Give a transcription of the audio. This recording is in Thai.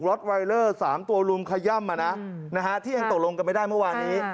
ไวเลอร์๓ตัวลุมขย่ำที่ยังตกลงกันไม่ได้เมื่อวานนี้